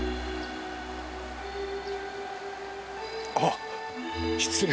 あっ失礼。